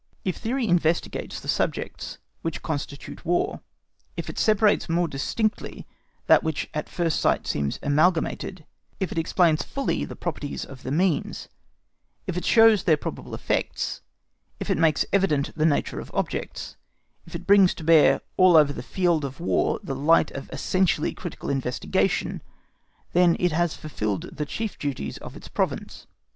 If theory investigates the subjects which constitute War; if it separates more distinctly that which at first sight seems amalgamated; if it explains fully the properties of the means; if it shows their probable effects; if it makes evident the nature of objects; if it brings to bear all over the field of War the light of essentially critical investigation—then it has fulfilled the chief duties of its province.